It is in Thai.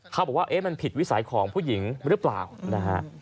เขาบอกว่าเอ๊ะมันผิดวิสัยของผู้หญิงหรือเปล่านะฮะ